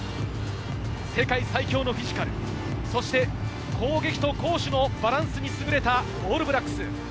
世界最強のフィジカル、そして攻撃と攻守のバランスに優れたオールブラックス。